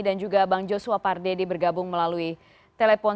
dan juga bang joshua pardedi bergabung melalui telepon